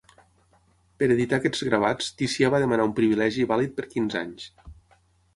Per editar aquests gravats Ticià va demanar un privilegi vàlid per quinze anys.